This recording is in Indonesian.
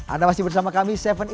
anda masih bersama kami